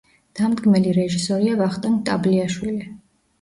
დამდგმელი რეჟისორია ვახტანგ ტაბლიაშვილი.